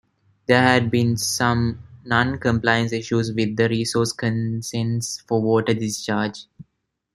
There had been some non-compliance issues with the resource consents for water discharge.